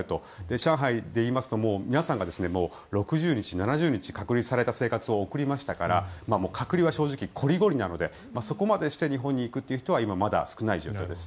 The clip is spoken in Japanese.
上海でいいますと皆さんが６０日、７０日隔離された生活を送りましたから隔離は正直こりごりなのでそこまでして日本に行くという人は今、まだ少ない状況です。